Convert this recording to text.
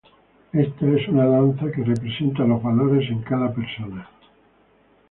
Esta es una danza que representa los valores en cada persona.